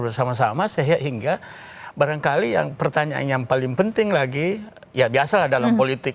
bersama sama sehingga barangkali yang pertanyaan yang paling penting lagi ya biasalah dalam politik